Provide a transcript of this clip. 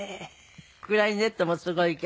クラリネットもすごいけど。